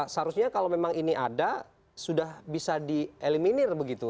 seharusnya kalau memang ini ada sudah bisa dieliminir begitu